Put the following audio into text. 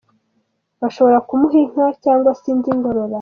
Bashoboraga kumuha inka cyangwa se indi ngororano.